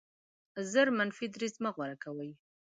ژر منفي دریځ مه غوره کوئ.